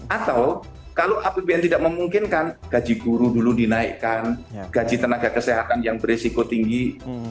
atau kalau apbn tidak memungkinkan gaji guru dulu dinaikkan gaji tenaga kesehatan yang beresiko tinggi